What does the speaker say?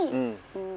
うん。